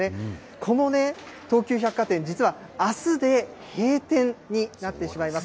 この東急百貨店、実はあすで閉店になってしまいます。